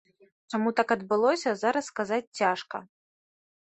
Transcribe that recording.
Чаму так адбылося, зараз сказаць цяжка.